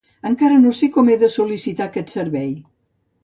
Encara no sé com he de sol·licitar aquest servei.